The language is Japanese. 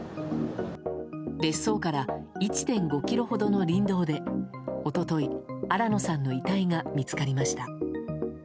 別荘から１．５ｋｍほどの林道で一昨日、新野さんの遺体が見つかりました。